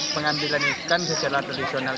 pengambilan ikan secara tradisional